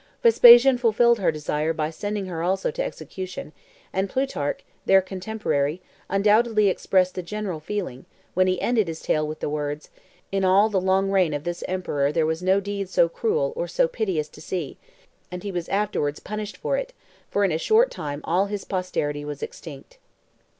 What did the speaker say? Vespasian fulfilled her desire by sending her also to execution; and Plutarch, their contemporary, undoubtedly expressed the general feeling, when he ended his tale with the words, "In all the long reign of this emperor there was no deed so cruel or so piteous to see; and he was afterwards punished for it, for in a short time all his posterity was extinct."